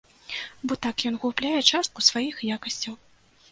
Бо так ён губляе частку сваіх якасцяў.